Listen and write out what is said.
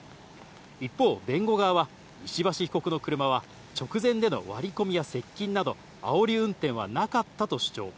一方、弁護側は石橋被告の車は直前での割り込みや接近など、あおり運転はなかったと主張。